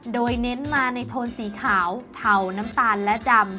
โดยเน้นมาในโทนสีขาวเทาน้ำตาลและดำ